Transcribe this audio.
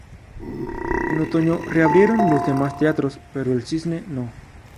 En otoño reabrieron los demás teatros, pero el Cisne no.